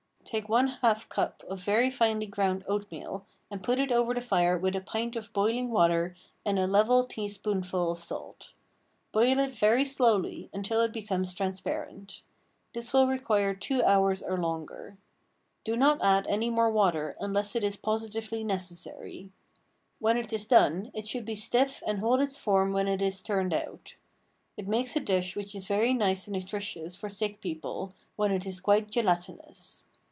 Take one half cup of very finely ground oatmeal and put it over the fire with a pint of boiling water and a level teaspoonful of salt. Boil it very slowly until it becomes transparent. This will require two hours or longer. Do not add any more water unless it is positively necessary. When it is done it should be stiff and hold its form when it is turned out. It makes a dish which is very nice and nutritious for sick people, when it is quite gelatinous.